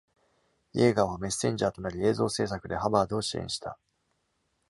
イェーガーはメッセンジャーとなり、映像制作でハバードを支援した。